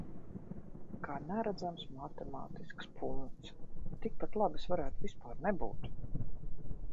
Kā neredzams matemātisks punkts. Tik pat labi es varētu vispār nebūt.